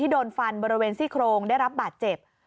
โดนฟันบริเวณซี่โครงได้รับบาดเจ็บ